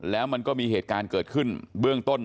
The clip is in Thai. แล้วมันก็มีเหตุการณ์เกิดขึ้นเบื้องต้น